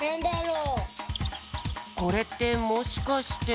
これってもしかして。